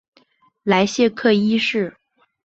莱谢克一世。